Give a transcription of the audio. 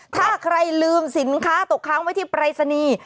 ถ้าใครลืมสินค้าตกค้างไว้ที่ปรายศนีย์